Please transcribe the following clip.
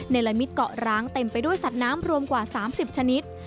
ในละมิตเกาะร้างเต็มไปด้วยสัตว์น้ำรวมกว่า๓๐ชนิด